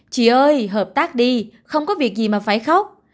chỉ ơi hợp tác đi không có việc gì mà phải khóc